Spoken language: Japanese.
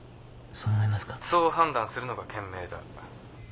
☎そう判断するのが賢明だ。